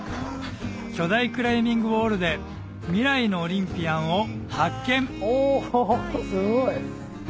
巨大クライミングウォールで未来のオリンピアンを発見おすごい。